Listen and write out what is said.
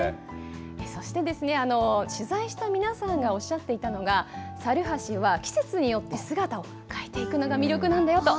そしてですね、取材した皆さんがおっしゃっていたのが、猿橋は季節によって姿を変えていくのが魅力なんだよと。